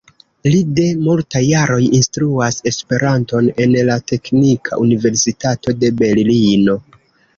Li de multaj jaroj instruas Esperanton en la Teknika Universitato de Berlino.